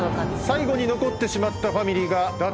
最後に残ってしまったファミリーが脱落。